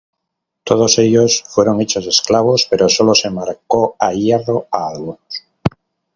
Todos ellos fueron hechos esclavos, pero sólo se marcó a hierro a algunos.